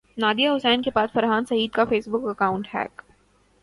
Nadia Hussain کے بعد فرحان سعید کا فیس بک اکانٹ ہیک